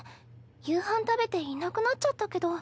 夕飯食べていなくなっちゃったけど。